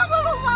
kenapa lo mau